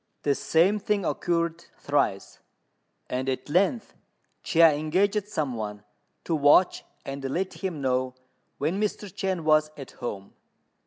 The same thing occurred thrice; and at length Chia engaged some one to watch and let him know when Mr. Chên was at home.